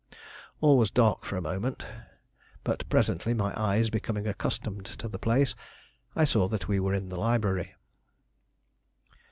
All was dark for a moment, but presently, my eyes becoming accustomed to the place, I saw that we were in the library.